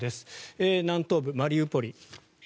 南東部マリウポリ